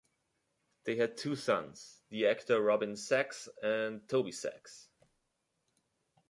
They had two sons, the actor Robin Sachs and Toby Sachs.